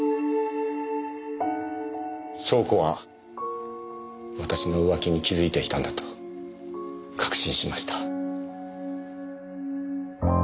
湘子は私の浮気に気付いていたんだと確信しました。